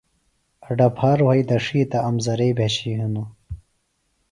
اڈہ پھار وھئیۡ دڇھی تہ امزرئیۡ بھیۡشیۡ ہنوۡ